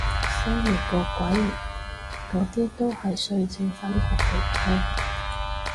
犀利個鬼，嗰啲都係歲靜粉紅嚟嘅